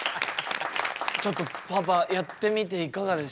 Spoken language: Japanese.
ちょっとパーパーやってみていかがでした？